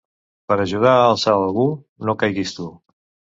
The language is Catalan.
Per ajudar a alçar algú, no caiguis tu.